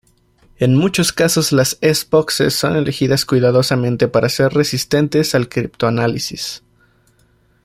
En muchos casos las S-Boxes son elegidas cuidadosamente para ser resistentes al criptoanálisis.